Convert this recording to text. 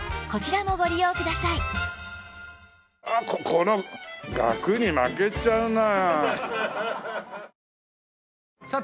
この額に負けちゃうな。